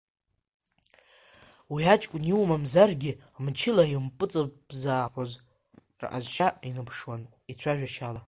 Уи аҷкәын иумамзаргьы мчыла иумпыҵызԥаақәоз рҟазшьа иныԥшуан ицәажәашьала.